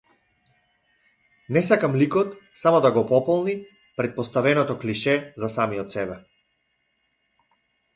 Не сакам ликот само да го пополни претпоставеното клише за самиот себе.